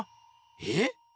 えっ？